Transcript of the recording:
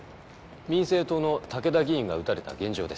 民生党の武田議員が撃たれた現場です。